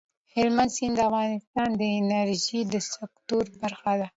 هلمند سیند د افغانستان د انرژۍ د سکتور برخه ده.